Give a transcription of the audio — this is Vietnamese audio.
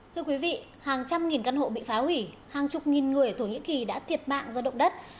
thưa quý vị hàng trăm nghìn căn hộ bị phá hủy hàng chục nghìn người ở thổ nhĩ kỳ đã thiệt mạng do động đất